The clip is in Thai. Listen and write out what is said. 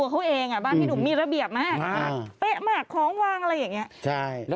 ใช่ลองเท้าแก้ว